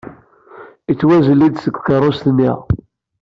Yettwazelli-d seg tkeṛṛust-nni.